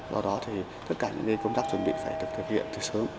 do đó thì tất cả những công tác chuẩn bị phải được thực hiện từ sớm